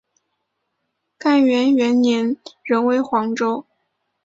干元元年仍为黄州。